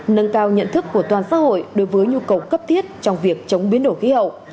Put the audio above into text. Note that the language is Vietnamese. nâng cao nhận thức của toàn xã hội đối với nhu cầu cấp thiết trong việc chống biến đổi khí hậu